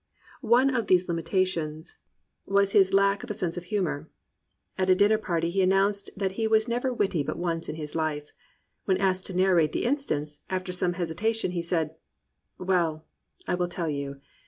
One of these limitations was his lack of a sense 217 COMPANIONABLE BOOKS of humour. At a dinner party he announced that he was never witty but once in his life. When asked to narrate the instance, after some hesitation he said: "Well, I will tell you.